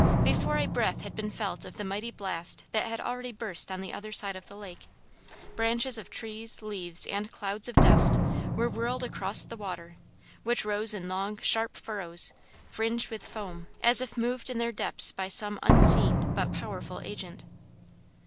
Before a breath had been felt of the mighty blast that had already burst on the other side of the lake, branches of trees, leaves, and clouds of dust were whirled across the water, which rose in long, sharp furrows, fringed with foam, as if moved in their depths by some unseen but powerful agent.